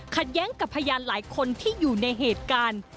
แย้งกับพยานหลายคนที่อยู่ในเหตุการณ์